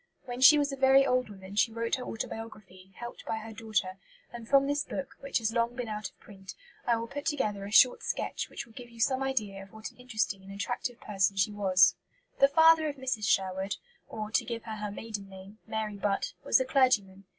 When she was a very old woman she wrote her autobiography, helped by her daughter; and from this book, which has been long out of print, I will put together a short sketch which will give you some idea of what an interesting and attractive person she was. The father of Mrs. Sherwood or, to give her her maiden name, Mary Butt was a clergyman.